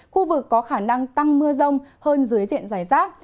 khu vực có khả năng tăng mưa rông hơn dưới diện giải rác